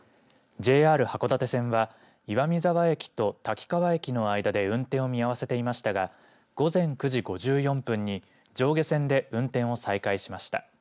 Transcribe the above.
ＪＲ函館線は岩見沢駅と滝川駅の間で運転を見合わせていましたが午前９時５４分に上下線で運転を再開しました。